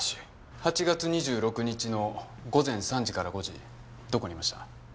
８月２６日の午前３時から５時どこにいました？